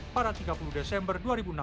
pada tiga puluh desember dua ribu enam belas